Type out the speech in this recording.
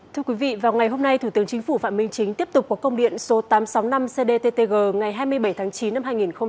thưa quý vị vào ngày hôm nay thủ tướng chính phủ phạm minh chính tiếp tục có công điện số tám trăm sáu mươi năm cdttg ngày hai mươi bảy tháng chín năm hai nghìn hai mươi